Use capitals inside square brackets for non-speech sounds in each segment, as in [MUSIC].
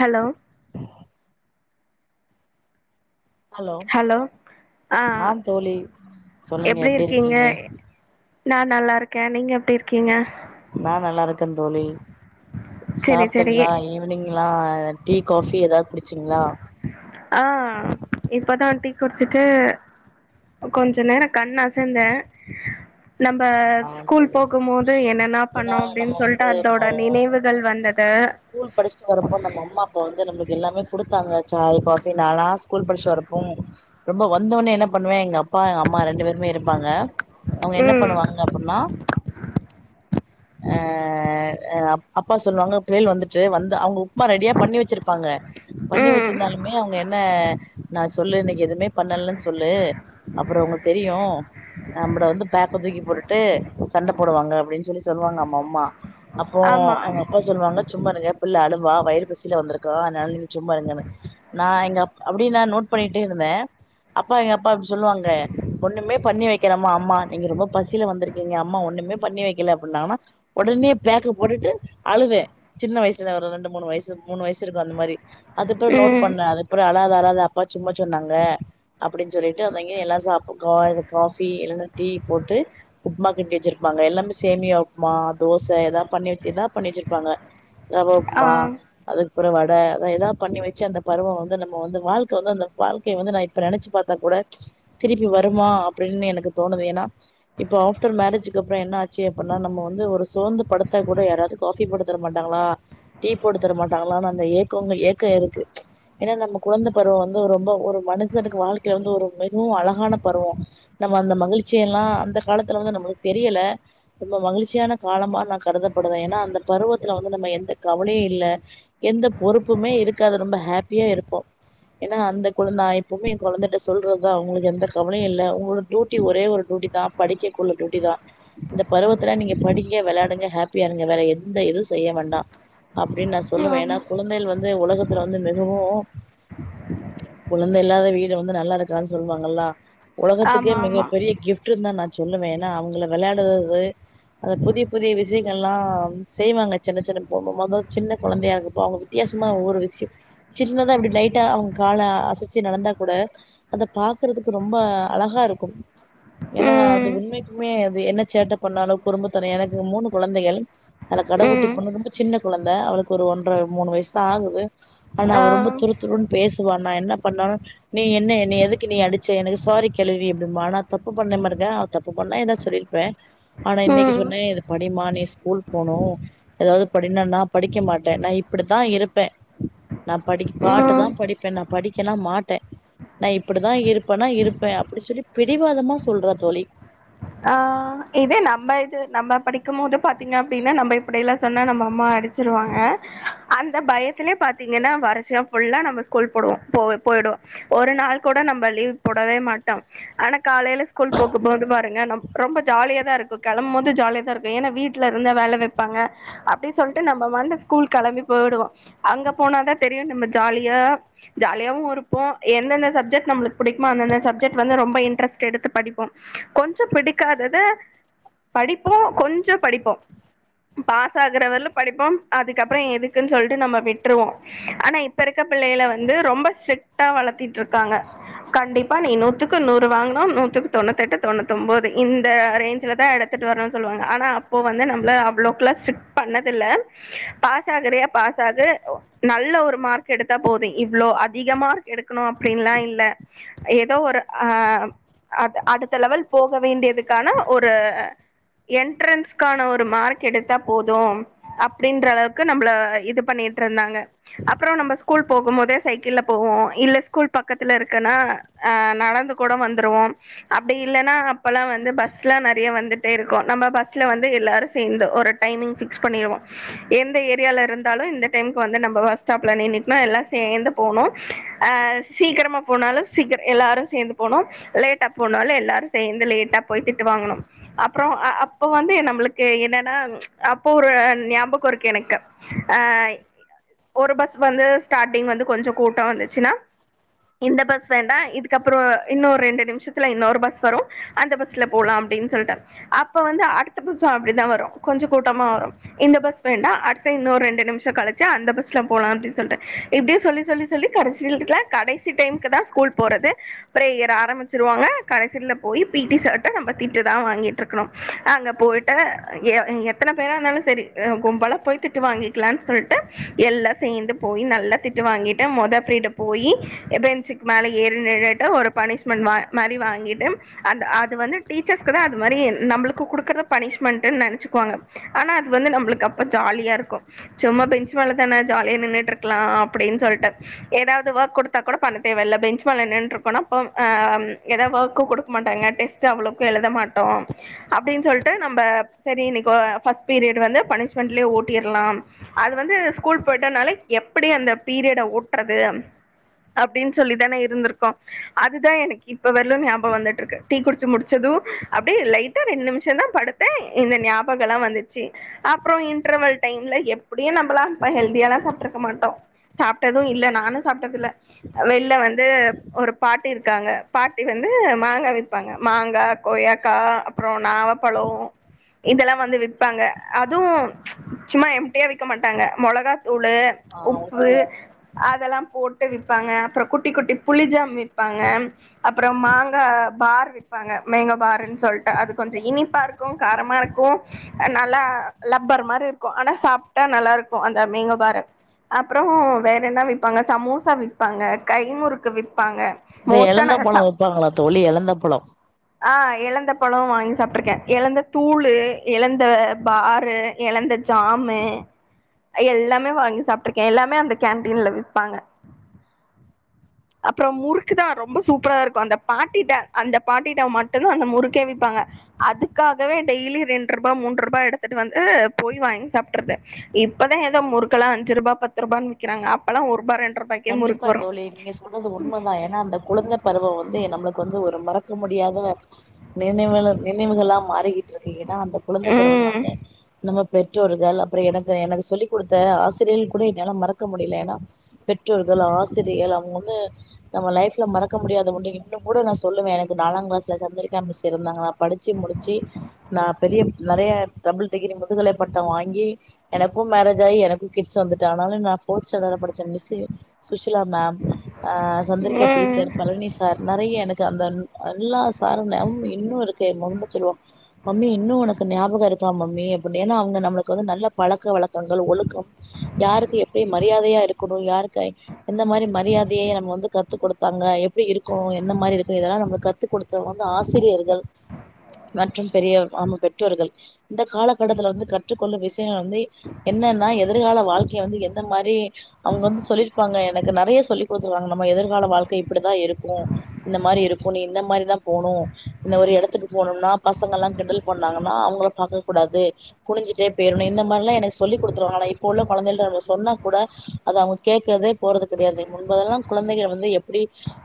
hello hello ஆ தோழி சொல்லுங்க எப்டி இருக்கீங்க நா நல்லா இருக்கேன் நீங்க எப்டி இருக்கீங்க நா நல்லா இருக்கேன் தோழி செரி செரி சாப்பட்டீங்களா ஈவினிங் எலாம் டீ காபி ஏதாவது குடிச் ஆ இப்தான் டி குடிச்சுட்டு கொஞ்சம் நேரம் கண் அசந்தேன் ஆ ஜேரி என்னென்னா பண்ணோ ஏன்னா நம்ம அப்டின்னு சொல்ட்டு வந்து அதோட இப்போ நினைவுகள் வந்தது ஸ்கூல் படிச்சுட்டு வரும்போ நம்ம அம்மா அப்ப வந்து நம்மளுக்கு எல்லாமே குடுத்தாங்க சாய் காபி நானா ஸ்கூல் படிச்சு வரப்போ ரொம்ப வந்தவனே என்ன பண்ணுவேன் எங்க அப்பா எங்க அம்மா ரெண்டு பேரும் போப்ரும் இருப்பாங்க அவங்க என்ன ம் பண்ணுவாங்க அ [INAUDIBLE] அ அப்பா சொல்லுவாங்க புள்ளையல் வந்துட்டு வந்து அவங்க உப்புமா ரெடியா பண்ணி வச்சிருக்க பாங்க பண்ணி ம் வச்சிருந்தாலுமே அவங்க என்ன ந செ சொல்லு இன்னைக்கி எதுவுமே பண்ணலனு சொல்லு அப்பறம் உங்க தெரியும் நம்ம வந்து பொக்க தூக்கி போட்டு ட்டு சண்டை போடுவாங்க அப்டின்னு சொல்லி சொல்லுவாங்க நம்ப அம்மா அப்போ ஆமா எங்க அப்பா சொல்லுவாங்க சும்மாரு புள்ளா அழுவா வயிற பசியில வந்திருக்க அதனால நீங்க சும்மா இருங்க ந எங்க அப்ப அப்டினு ந நோட் பண்ணிட்டேன் இருந்தேன் அப்பா எங்க அப்பா சொல்லுவாங்க ஒண்ணுமே பண்ணி வைக்கலம அம்மா நீங்க ரொம்ப பசி பசில வந்திருக்கீங்க அம்மா ஒண்ணுமே பண்ணி வைக்கல அப்டின்னாங்கன்னா உடனே பேக்க போட்டுட்டு அழுவேன் சின்ன வயசுல ஒரு ரெண்டு மூணு வயசு மூணு வயசு இருக்கும் அந்த மாரி அதுபறம் நோட் ம் பண்ணேன் அதுப்பறம் வராது அப்பா சும்ம சொன்னாங்க அப்டின்னு சொல்லிட்டு அங்க எல்லாம் சாப்ப கா காபி இல்லா டீ போட்டு உப்பமா கிண்டி வச்சிருப்பாங்க எல்லாமே சேமியா உப்பமா தோசை ஏதா பண்ணி வச்சிதான் பண்ணி வச்சிருப்பாங்க ஆ ரவப்மா அதுக் புறவாட அத ஏதா பண்ணி வச்சு அந்த பருவம் வந்து நம்ம வந்து வாழ்க்கை வந்து அந்த வாழ்க்கைய வந்து நான் இப்ப நினைச்சு பாத்தா கூட ச் திருப்பி வருமா அப்டின்னு எனக்கு தோணுது ஏன்னா இப்போ ஆஃப்டர் மேரேஜக்கு அப்பறம் என்ன ஆச்சு அப்டின்னா நம்ம வந்து ஒரு சோந்து படுத்தா கூட யாராவது காஃபி போட்டு தர மாட்டாங்களா டீ போட்டு தர மாட்டாங்களான்னு அந்த ஏக்கங்கள் ஏக்கம் இருக்கு ஏன்னா நம்ம குழந்த பருவம் வந்து ரொம்ப ஒரு மனுஷனுக்கு வாழ்க்கையில வந்து ஒரு மிகவும் அழகான பருவம் நம்ம அந்த மகிழ்ச்சியெல்லாம் அந்த காலத்தில் வந்து நம்பளுக்கு தெரியல ரொம்ப மகிழ்ச்சியான காலமா நான கருதப்படுவேன் ஏன்னா அந்த பருவத்தில வந்து நம்ம எந்த கவலயும் இல்ல எந்த பொறுப்புமே இருக்காது ரொம்ப ஹாப்பியா இருப்போம் ஏன்னா அந்த குழ நான எப்வுமே என் குழந்தைட்ட சொல்றதான் அவங்களுக்கு எந்த கவலயும் இல்ல உங்களோட டியூட்டி ஒரே ஒரு டியூட்டி தான் படிக்க கெள்ள டூட்டி தான் இந்த பருவத்துல நீங்க படிங்க விளையாடுங்க ஹாப்பியா இருங்க வேற எந்த இதுவும் செய்ய வேண்டாம் அப்டின்னு நான சொல்லுவன் ம் ஏன்னா குந்தைள் வந் உலகத்துல வந்து மிகவும் குழந்தை இல்லாத வீடு வந்து நல்லா இருக்கிறான்னு சொல்லுவாங்கல்லா ஆமா உலகத்துக்கே ஆமா மிகப்ப பெரிய கிஃப்ட்ந்தான் நான் சொல்லுேவேன் ஏன்னா அவங்கள விளையாடுறது அத புதிய புதிய விஷயங்ககெல்லாம் செய்வாங்க சின்ன சின்ன போகும்போத சின்ன குழந்தையா இருப்போ அவங்க வித்தியாசமா ஒவ்வொரு விஷயம் சின்னதா இப்டி லைட்டா அவங்ஜகால அசச்சு நடந்தா கூட அத பாக்குறதுக்கு ரொம்ப அழகா இருக்கும் ஏன்னா அது ம் உண்மக்குமே அது என்ன சேட்டை பண்ணாலும் குறும்பத்தன எனக்கு மூணு குழந்தைகள் அல கடஊட்டி ம் பண்ணு ரது சின்ன குழந்தை அவளுக்கு ஒரு ஒன்றரை மூணு வயசுதான் ஆகுது ஆனா ஆ அவ ரொ துருத்துருன் பேஸ் என்ன பண்ணும் நீ என்ன என்னைய எதுக்கு நீ அடிச்ச எனக்கு சாரி கேள்வி தப்பு பண்ண மாருங்க தப்பு பண்ணா ஏதா சொல்லியிருப்பே ஆனா இன்னைக்கி ம் சொன்னே இது படிம்மா நீ ஸ்கூல் போணு ஏதாவது படினா நா படிக்க மாட்டே நா இப்பிடித்தா இருப்பே நா படிக் பாட்டுதா ம் படிப்பே நா படிக்கலா மாட்டே நா இப்படிதா இருப்பேன்னா இருப்பே அப்டி சொல்லி பிடிவாதமா சொல்றா தோழி ஆ இதே நம இது நம்ம படிக்கும் போது பாத்தீங்க அப்டின்னா நம்ம இப்படிெல்லாம் சொன்னா நம்ம அம்மா அடிச்சிருவாங்க அந்த பயத்திலே பாத்தீங்கன்னா வருஷம் புல்லா நம்ம ஸ்கூல் போடுவோம் போ போயிடோம் ஒரு நாள் கூட நம்ம லீவ் போடவே மாட்டோம் ஆனா காலையில ஸ்கூல் போகும் போது ரொம்ப ஜாலிய தான் இருக்கும் கிளம்பும் போது ஜாலிய தான் இருக்கும் ஏன்னா வீட்டுல இருந்த வேல வைப்பாங்க அப்டின்னு சொல்ட்டு நம்ம வந்து ஸ்கூல் கிளம்பி போய்டுவோம் அங்க போனாதான் தெரியும் நம்ம ஜாலியா ஜாலியாவும் இருப்போம் எந்தெந்த சப்ஜெக்ட் நளுக்கு பிடிக்குமோ அந்தந்த சக்ஜெட் வந்து ரொம்ப இன்ட்ரெஸ்ட் எடுத்து படிப்போம் கொஞ்சம் பிடிக்காதத படிப்போம் கொஞ்சம் படிப்போம் பாஸ் ஆகுறவல படிப்போம் அதுக்கப்பறம் எதுக்குன்னு சொல்ட்டு நம்ம விட்டுருவோம் ஆனா இப்ப இருக்க பிள்ளைில வந்து ரொம்ப ஸ்ட்ரிக்டா வளர்த்திட்டு இருக்காங்க கண்டிப்பா நீ நூத்துக்கு நூறு வாங்கினும் நூத்துக்கு தொண்ணூத்தி எட்டு தொண்ணூத்தொம்போது இந்த ரேஞ்சல தான் எடுத்துட்டு வரணும்னு சொல்லுவாங்க ஆனா இப்போ வந்து நம்ள அவ்வளோக்ளா சிட் பண்ணதல பாஸ் ஆகுறயா பாஸ் ஆகு நல்ல ஒரு மார்க் எடுத்தா போதும் இவ்வளோ அதிகமா எடுக்கணும் அப்டின்லாம் இல்ல ஏதோ ஒரு அ அது அடுத் த்த லெவல் போக வேண்டியதுக்கான ஒரு என்ட்ரன்ஸ்கான ஒரு மார்க் எடுத்தா போதும் அப்டின்றளவுக்கு நம்மள இது பண்ணிட்டு இருந்தாங்க அப்பறம் நம்ம ஸ்கூல் போகும் போதே சைக்கிள் போவோம் இல்ல ஸ்கூல் பக்கத்துல இருக்கன்னா அ நடந்து கூட வந்துருவோம் அப்டி இல்லன்னா அப்போல்லாம் வந்து பஸ்ல நெறைய வந்துட்டே இருக்கும் நம்ம பஸ்ல வந்து எல்லாரும் சேர்ந்து ஒரு டைமிங் ஃபிக்ஸ் பண்ணிடுவோம் எந்த ஏரியால இருந்தாலும் இந்த டைமுக்கு வந்து நம்ம பஸ் ஸ்டாப்ல நீண்ணீட்னா எல்லாம் சேர்ந்து போகணும்ஹ சீக்கிரமா போனாலும் சீக்கம் எல்லாரும் சேர்ந்து போகணும் லேட்டா போனால எல்லாரும் சேர்ந்து லேட்டா போய திட்டு வாங்கணும் அப்பறம் அப்போ வந்து நம்மளுக்கு என்னன்னா அப்போ ஒரு ஞாபகம் இருக்கு எனக்குஇ ஒரு பஸ் வந்து ஸ்டார்டிங் வந்து கொஞ்சம் கூட்டம் வந்துச்சுன்னா இந்த பஸ் வேண்டாம் இதுக்கப்பறம் இன்ன ரெண்டு நிமிஷத்து த்ல இன்னொரு பஸ் வரும் அந்த பஸ்ல போலாம் அப்பனு சொல்ல அப்ப வந்து அடுத்த பஸ் அப்டி நாள் வரும் கொஞ்ச கூட்டமா வரும் இந்த பஸ் வேண்டா அடுத்த இன்னொ ரெண்டு நிமிம் கழிச்சு அந்த பஸ்ல போலான் சொல்டு இப்டியே சொல்லி சொல்லி சொல்லி கடசீல கடசி டைம்கு தான் ஸ்கூல் போறது பிரேயர் ஆரமிச்சி வாங்க கடசியில் போய் பிடி சர்ட்ட நம்ம திட்டு தான் வாங்கிட்டு இருக்கணோம் அங்க போய எத்தனை பேரா இருந்தாலும் செரி கும்பல போய் திட்டு வாங்கிக்கலாம்னு சொல்லிட்டு எல்லாம் சேர்ந்து போய் நல்லா திட்டு வாங்கிட்டு முொத பிரீட போய் பெஞ்சுக்கு மேல ஏறி நிண்டு ஒரு பனிஷ்மெண்ட் மாரி வாங்கிட்டு அந்த அது வந்து டீச்சர்ஸ்கு தான் அது மாரி நம்மளுக்கு கொடுக்குறத பனிஷ்மெண்ட்டன்னு நினைச்சுக்குவாங்க ஆனா அது வந்து நம்மளுக்கு அப்போ ஜாலியா இருக்கும் சும்ம பெஞ்ச் மேலே தானே ஜாலியாக நின்றுட்டு இருக்கலாம் அப்டின்னு சொல்லிட்டு ஏதாவது ஒர்க் கொடுத்தா கூட பண்ண தேவ இல்ல பெஞ்சு மேலே நின் இருக்கனா அப்போ ஆ எதாவது ஒர்க்க கொடுக்க மாட்டாங்க டெஸ்ட்ட் அவ்வளவுக்கும் எழுத மாட்டோம் அப்டின்னு சொல்லிட்டு நம்ம செரி இன்னைக்கி பஸ்ட் பீரியட வந்து பனிஷ்மெண்ட்லயே ஓட்டிடலாம் அது வந்து ஸ்கூல் போயிட்டனால எப்டி அந்த பீரியட ஓட்டுறது அப்டின்னு சொல்லிதானே இருந்திருக்கோம் அதுதான் எனக்கு இப்போ வரலும் ஞாபகம் வந்துட்டு இருக்கு டீ குடிச்சு முடிச்சதும் அப்டியேலட்டா ரெண்டு நிமிஷம் தான் படுத்தேன் இந்த ஞாபகம்ல்லாம் வந்துச்சு அப்பறம் இன்டர்வல் டைம்ல எப்டியும் நம்மலாம் இப்ப ஹெல்தியாலல்லாம் சாப்பட்டுருக்க மாட்டோம் சாப்பட்டதும் இல்ல நானும் சாப்பட்டத இல்ல வெளில வந்து ஒரு பாட்டு இருக்காங்க பாட்டி வந்து மாங்கா விப்பாங்க மாங்கா கொய்யாக்கா அப்பறம் நாவப்பழம் இதெல்லாம் வந்து விப்பாங்க அவும் சும்மா எம்டியா விக்க மாட்டாங்க மொளகா துளு உப்பு அதெல்லாம் போட்டு விறப்பாங்க அப்பறம் குட்டி குட்டி புளிஜாம் விற்பாங்க அப்பறம் மாங்கா பார் விப்பாங்க மேங்கோ பருன்னு சொல்லிட்டு அது கொஞ்சம் இனிப்பா இருக்கும் காரமா இருக்கும் நல்லா லப்பர் மாரி இருக்கும் ஆனா சாப்பிட்டா நல்லா இருக்கும் அந்த மேங்கோ பரு அப்பறம் வேற என்ன விற்பாங்க சமோசா விற்பாங்க கைமுறுக்கு விப்பாங்க ந்த மோஸ்ட்டா எழுந்த நாங்க பழம் வைப்பாங்களா தோழி எழந்த பழம் ஆஹ எழந்த பழம் வாங்கி சாப்பிட்ருக்கேன் எழந்த தூள் எழந்த பாரு எழந்த ஜாமு எல்லாமே வாங்கி சாப்பிட்டுருக்கே எல்லாமே அந்த கேன்டீன்ல விப்பாங்க அப்புறம் முறுக்குதான் ரொம்ப சூப்பரா இருக்கும் அந்த பாட்டிட்ட அந்த பாட்டிட்ட மட்டு்தா அந்த முறுக்கே விப்பாங்க அதுக்காகவே டெய்லி ரெண்டு ரூபா மூன்று ரூபா எடுத்துட்டு வந்து போய் வாங்கி சாப்பிடுறது இப்பதான் ஏதோ முறுக்கெல்லாம் அஞ்சு ரூபா பத்து ரூபான்னு விறக்கிறாங்க அப்பெல்லாம் ஒரு ரூபா ரெ கண்டிப்பா தோழி நீங்க சொல்து உண்மதா ஏன்னா அந்த குழந்த பருவம் வந்து நம்மளுக்கு வந்து ஒரு மறக்க முடியாத நினைவு நினைவுகளா மாறிக்கிட்டு இருக்க அந்த குழந்த பருவத்துல ம் வந்து நம்ம பெற்றோர்கள் அப்புறம் எனக்கு எனக்கு சொல்லிக் கொடுத்த ஆசிரியர்கள் கூட என்னால மறக்க முடியல ஏன்னா பெற்றோர்கள் ஆசிரியர்கள் அவங்க வந்து நம்ம லைஃப்ல மறக்க முடியாத ஒன்று இன்னும் கூட நா சொல்லுவே எனக்கு நாலாம் கிளாஸ்ல சந்திரிக்கா மிஸ் இருந்தாங்க நா படிச்சு முடிச்சு நா பெரிய நெறைய டபுள் டிகிரி முதுகலை பட்டம் வாங்கி எனக்கும் மேரேஜ் ஆகி எனக்கும் கிட்ஸ் வந்துட்டு ஆனாலும் நா போர்த் ஸ்டாண்டர்ல்ல படிச்ச மிஸ் சுசீலா மேம் ஹ சந்திரிக்கா ம் டீச்சர் பழனி சார் நெறைய எனக்கு அந்த எல்லா சாரும் மேமும் இன்னும் இருக்கு நல்லா சொல்லுவாங்க மம்மி இன்னும் உனக்கு ஞாபகம் இருக்கான் மம்மி அப்படினு அவங்க நம்மளுக்கு வந்து நல்ல பழக்க வழக்கங்கள் ஒழுக்கம் யாருக்கு எப்படி மரியாதையா இருக்கணும் யாருக்கு எந்த மாரி மரியாதையை நம்ம வந்து கத்து கொடுத்தாங்க எப்படி இருக்கோம் எந்த மாரி இருக்கும் இதெலாம் நம்ம கத்துக் கொடுத்தவங்க ஆசிரியர்கள் மற்றும் பெரிய நம பெற்றோர்கள் இந்த காலகட்டத்துல வந்து கற்றுக்கொள்ளும் விஷயங்கள் வந்து என்னன்னா எதிர்கால வாழ்க்கையை வந்து எந்த மாரி அவங்க வந்து சொல்லி ப்பாங்க எனக்கு நிறைய சொல்லி் கொடுத்துருக்காங்க நம்ம எதிர்கால வாழ்கை இப்படிதா இருக்கும் இந்த மாரி இருக்கும் நீ இந்த மாரிதா போணும் இந்த ஒரு இடத்துக்கு போகனும்னா பசங்க எல்லாம் கிண்டல் பண்ணாங்கன்னா அவங்கள பார்க்க கூடாது குனஞ்சிட்டே போயிரணும் இந்த மாரி எல்லாம் எனக்கு சொல்லி கொடுத்துருவாங்க இப்ப உள்ள குழந்தை சொன்னா கூட அத அவங்க கே இருக்கிறதே போறது கிடையாது முன்பதெல்லாம் குழந்தங்க வந்து எப்படி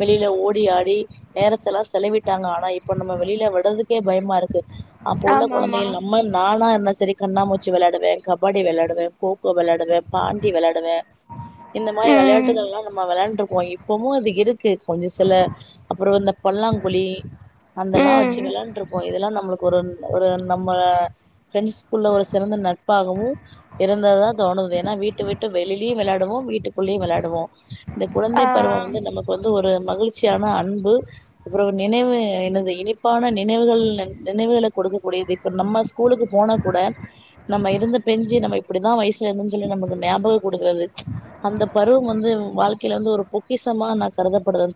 வெளியில ஓடி ஆடி நேரத்த எல்லாம் செலவிட்டாங்க ஆனா இப்ப நம்ம வெளியில விடுறதுக்கே பயமா இருக்கு அப்ப உள்ள ஆமா ஆமா குழந்தைகள் நம்ம நானா என்ன சரி கண்ணாமூச்சி விளையாடுவே கபாடி விளையாடுவே கோக்கோ விளையாடுவே பாண்டி விளையாடுவே இந்த மாதிரி ம் விளையாட்டுகலாம் நம்ம விளாண்டுபோம் பொமூ அது இருக்கு கொஞ்சம் சில அப்புறம் வந்து பல்லாங்குழி அந்தெல்லாம் வச்சு ம் விளாண்டு இருப்போம் இதெல்லாம் நம்மளுக்கு ஒரு நம்ம இதெல்லாம் நம்மளுக்கு ஒரு ஒரு நம்ம பிரெண்ட்ஸ் ஸ்கூல்ல ஒரு சிறந்த நட்பாகவும் இருந்தது தா தோணுது ஏன்னா வீட்ட விட்டு வெளியிலையும் விளையாடுவோ வீட்டு வீட்டுக்குள்ளயும் விளையாடுவோம் இந்த குழந்தை பருவம் ஆஹ் வந்து நமக்கு வந்து ஒரு மகிழ்ச்சியான அன்பு நினைவு எனது இனிப்பான நினைவுகள் நினைவுகளை கொடுக்கக்கூடியது இப்ப நம்ம ஸ்கூலுக்கு போனா கூட நம்ம இருந்த பெஞ்சி நம்ம இப்படிதா வயசுல இருந்தோம்னு சொல்லி நமக்கு ஞாபகம் கொடுக்கிறது கொடுக்குறது அந்த பருவம் வந்து வாழ்க்கையில வந்து ஒரு பொக்கிசமா கருதப்படுரது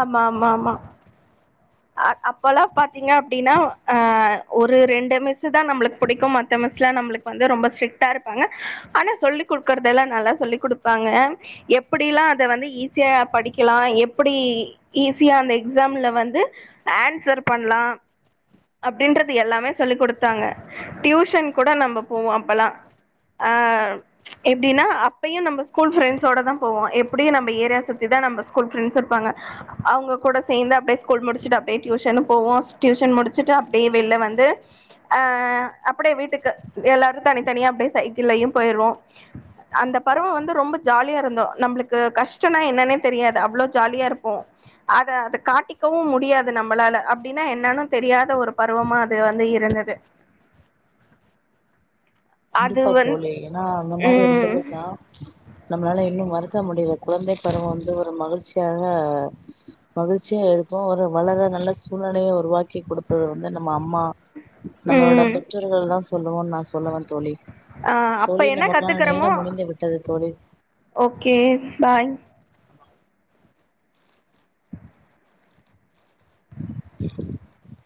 ஆமா ஆமா ஆமா அப்போலாம் பாத்தீங்கனா அப்படின்னா ஆஹ ஒரு ரெண்டு மிஸ் தா நம்மளுக்கு பிடிக்கும் மத்த மிஸ்லாம் நம்மளுக்கு வந்து ரொம்ப ஸ்ட்ரிக்டா இருப்பாங்க ஆனா சொல்லி குடுக்கறது எல்லாம் நல்லா சொல்லி் கொடுப்பாங்க எப்படி எல்லாம் அத வந்து ஈஸியா படி கிலாம் எப்படி ஈஸியா அந்த எக்ஸாம்ல வந்து ஆன்சர் பண்ணலாம் அப்படின்றது எல்லாமே சொல்ல் கொடுத்தாங்க டியூஷன் கூட நம்ம போவோம் அப்பல்லாம் அஹ எப்படின்னா அப்பயும் நம்ம ஸ்கூல் ரெண்ட்ஸோட தா போவோம் எப்படியும் நம்ம ஏரியா சுத்தி தா நம்ம ஸ்கூல் பிரண்ட்ஸ் இருப்பாங்க அவங்க கூட சேர்ந்து அப்படியே ஸ்கூல் முடிச்சட்டு அப்படியே டியூசும் போவோம் டியூஷன் முடிச்சட்டு அப்படியே வெளில வந்து அஹ அப்படியே வீட்டுக்கு எல்லாரும் தனித்தனியா அப்படியே சைக்கிலையும் போயிருவோம் அந்த பருவம் வந்து ரொம்ப ஜாலியா இருந்தோம் நம்மளுக்கு கஷ்டம்னா என்னானே தெரியாது அவ்வளவு ஜாலியா இருப்போம் அத அதை காட்டிக்கவும் முடியாது நம்மளால அப்படின்னா என்னானு தெரியாத ஒரு பருவமா அது வந்து இருந்தது அது கண்டிப்பா வந் தோழி ஏன்னா அந்த மாதிரி ம் இருக்கவேதா நம்மளால இன்னும் மறக்க எடுத்த முடிவு குழந்தை பருவம் வந்து ஒரு மகிழ்ச்சியாக மகிழ்ச்சியாக இருக்கும் ஒரு வளர நல்ல சூழ்நிலைய உருவாக்கி சொல்லி கொடுத்தது வந்து நம்ம அம்மா நம்மளோட ம் பெற்றோர்கள் தான் சொல்லவோம் நா சொல்ல வந் தோழி ஆ அப்ப என்ன கத்துக்குறோமோ நேரம் முடிந்து விட்டது தோழி ஓகே பாய் [INAUDIBLE]